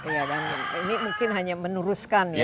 iya dan ini mungkin hanya meneruskan ya